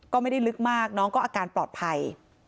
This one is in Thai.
ก็ไม่ได้ลึกมากน้องก็อาการปลอดภัย